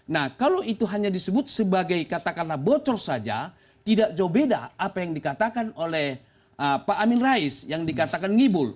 nah kalau itu hanya disebut sebagai katakanlah bocor saja tidak jauh beda apa yang dikatakan oleh pak amin rais yang dikatakan ngibul